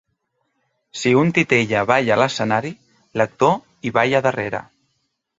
Si un titella balla a l’escenari, l’actor hi balla darrere.